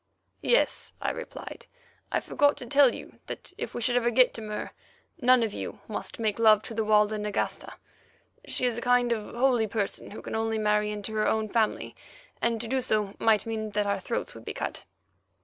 "Yes," I replied; "I forgot to tell you that if we should ever get to Mur, none of you must make love to the Walda Nagasta. She is a kind of holy person, who can only marry into her own family, and to do so might mean that our throats would be cut."